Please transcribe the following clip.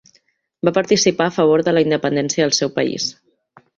Va participar a favor de la independència del seu país.